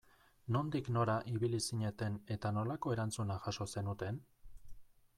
Nondik nora ibili zineten eta nolako erantzuna jaso zenuten?